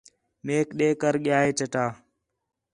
میک ݙے کر ڳِیا ہے چٹا